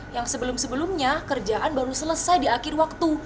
yang sebelum sebelumnya kerjaan baru selesai di akhir waktu